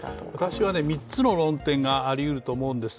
私は３つの論点がありうると思うんです。